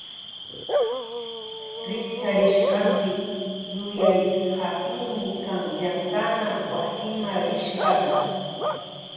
Rikcharishkanti yuyay hapimi kan llankana wasima rishkata.